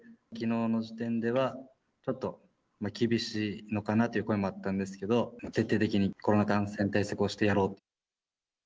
きのうの時点では、ちょっと厳しいのかなという声もあったんですけど、徹底的にコロナ感染対策をしてやろう。